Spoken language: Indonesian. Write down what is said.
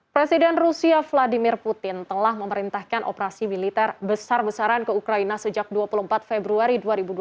presiden rusia vladimir putin telah memerintahkan operasi militer besar besaran ke ukraina sejak dua puluh empat februari dua ribu dua puluh